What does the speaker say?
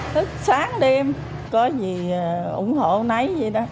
thức sáng đêm có gì ủng hộ nấy vậy đó